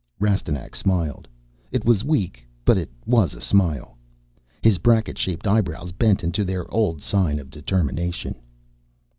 Rastignac smiled. It was weak, but it was a smile. His bracket shaped eyebrows bent into their old sign of determination.